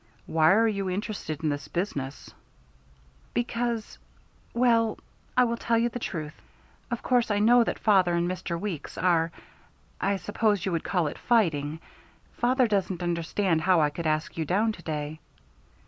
"Why are you interested in this business?" "Because well, I will tell you the truth. Of course I know that father and Mr. Weeks are I suppose you would call it fighting. Father doesn't understand how I could ask you down to day."